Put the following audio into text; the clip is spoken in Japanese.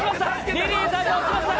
リリーさんが落ちました。